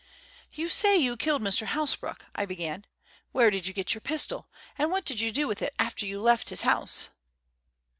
"You say you killed Mr. Hasbrouck," I began. "Where did you get your pistol, and what did you do with it after you left his house?"